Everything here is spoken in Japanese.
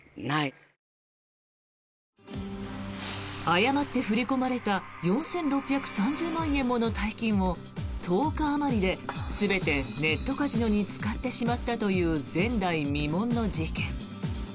誤って振り込まれた４６３０万円もの大金を１０日あまりで全てネットカジノに使ってしまったという前代未聞の事件。